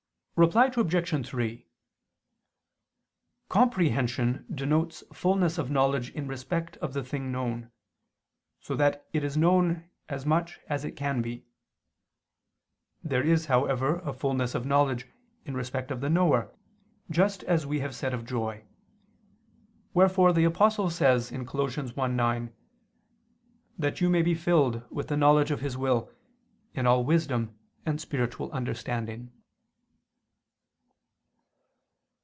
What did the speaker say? Reply Obj. 3: Comprehension denotes fulness of knowledge in respect of the thing known, so that it is known as much as it can be. There is however a fulness of knowledge in respect of the knower, just as we have said of joy. Wherefore the Apostle says (Col. 1:9): "That you may be filled with the knowledge of His will, in all wisdom and spiritual understanding."